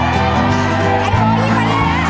ช่วยน้องเร็วเร็ว